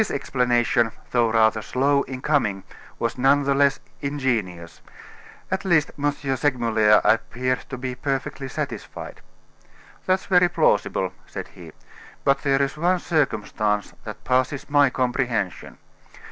This explanation, though rather slow in coming, was none the less ingenious. At least, M. Segmuller appeared to be perfectly satisfied. "That's very plausible," said he; "but there is one circumstance that passes my comprehension.